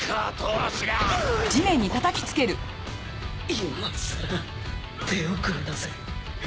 今更手遅れだぜ。